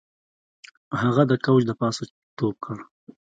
هغه د کوچ د پاسه ټوپ کړ